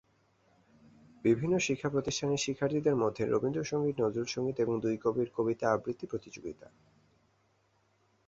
বিভিন্ন শিক্ষাপ্রতিষ্ঠানের শিক্ষার্থীদের মধ্যে রবীন্দ্রসংগীত, নজরুলসংগীত এবং দুই কবির কবিতা আবৃত্তি প্রতিযোগিতা।